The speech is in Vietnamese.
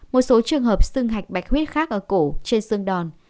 một số trường hợp sưng hạch bạch huyết khác ở cổ trên sưng đòn